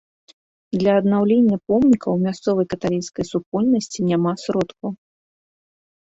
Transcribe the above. Для аднаўлення помніка ў мясцовай каталіцкай супольнасці няма сродкаў.